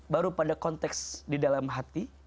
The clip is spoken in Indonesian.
baru pada konteks di dalam hati